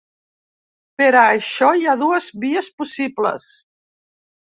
Per a això hi ha dues vies possibles.